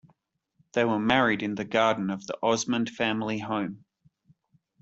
They were married in the garden of the Osmond family home.